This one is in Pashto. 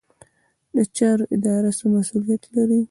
د چارو اداره څه مسوولیت لري؟